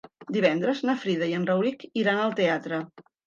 Divendres na Frida i en Rauric iran al teatre.